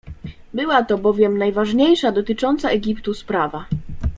Była to bowiem najważniejsza dotycząca Egiptu sprawa.